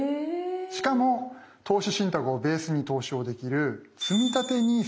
しかも投資信託をベースに投資をできる「つみたてＮＩＳＡ」ってのがあるんです。